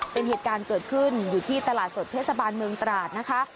เป็นเหตุการณ์เกิดขึ้นอยู่ที่ตลาดสดเทศบาลเมืองตราดนะคะ